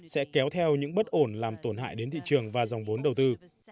sẽ kéo theo những bất ổn làm tổn hại đến thị trường và dòng vốn đầu tư